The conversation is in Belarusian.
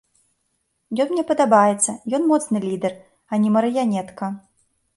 Ён мне падабаецца, ён моцны лідэр, а не марыянетка.